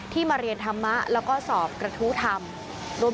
มาเรียนธรรมะแล้วก็สอบกระทู้ธรรม